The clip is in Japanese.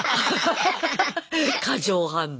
過剰反応。